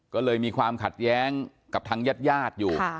ก็เลยมีความขัดแย้งกับทางญาติญาติอยู่